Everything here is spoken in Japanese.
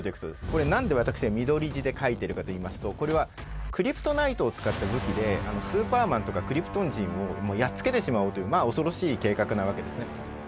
これ何で私が緑字で書いてるかといいますとこれはクリプトナイトを使った武器でスーパーマンとかクリプトン人をやっつけてしまおうというまあ恐ろしい計画なわけですね。